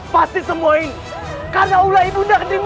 pasti semua ini karena allah ibu anda keterima